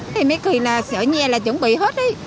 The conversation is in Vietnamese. thì mấy kỳ là sở nhe là chuẩn bị hết đi